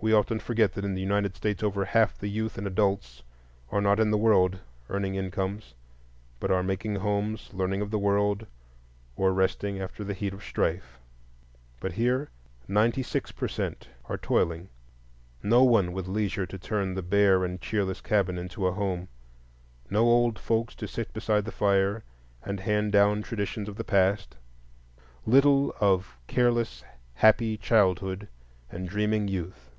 We often forget that in the United States over half the youth and adults are not in the world earning incomes, but are making homes, learning of the world, or resting after the heat of the strife. But here ninety six per cent are toiling; no one with leisure to turn the bare and cheerless cabin into a home, no old folks to sit beside the fire and hand down traditions of the past; little of careless happy childhood and dreaming youth.